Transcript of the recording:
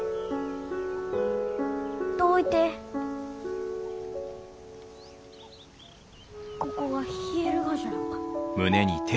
どういてここが冷えるがじゃろうか？